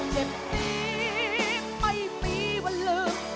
เจ็บนี้ไม่มีวันลืม